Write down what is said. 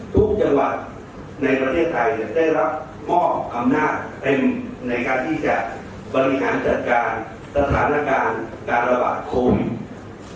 ทุกจังหวัดในประเทศไทยเนี่ยได้รับมอบอำนาจเต็มในการที่จะบริหารจัดการสถานการณ์การระบาดโควิด